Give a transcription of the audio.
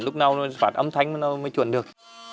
lúc nào nó phạt âm thanh nó mới chuẩn được